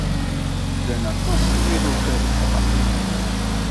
Llan aṭas n yiruka deg uxxam-nni.